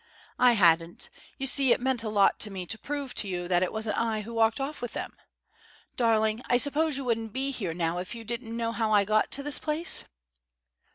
"I hadn't. You see, it meant a lot to me to prove to you that it wasn't I who walked off with them. Darling, I suppose you wouldn't be here now if you didn't know how I got to this place?"